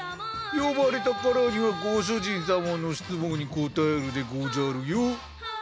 呼ばれたからにはご主人様の質問に答えるでごじゃるよ。